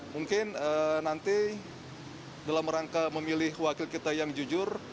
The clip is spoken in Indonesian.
mungkin nanti dalam rangka memilih wakil kita yang jujur